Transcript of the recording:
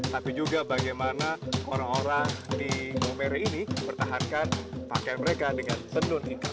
tapi juga bagaimana orang orang di gomere ini bertahankan pakaian mereka dengan penuh tingkat